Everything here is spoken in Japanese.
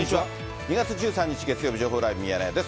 ２月１３日月曜日、情報ライブミヤネ屋です。